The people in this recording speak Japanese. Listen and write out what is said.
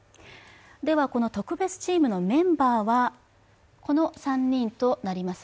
ではこの特別チームのメンバーはこの３人となります。